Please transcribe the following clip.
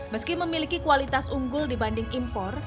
meski memiliki kualitas unggul dibanding impor